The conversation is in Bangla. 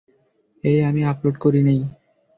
এই আমি আপলোড করি নাই।